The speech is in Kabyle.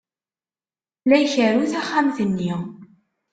La ikerru taxxamt-nni.